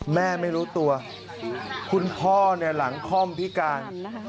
แม่ไม่รู้ตัวคุณพ่อหลังค่อมพิการ